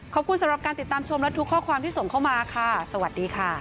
ขอบคุณสำหรับการติดตามชมและทุกข้อความที่ส่งเข้ามาค่ะสวัสดีค่ะ